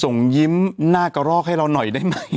ส่งยิ้มหน้ากระรอกให้เราหน่อยได้ไหม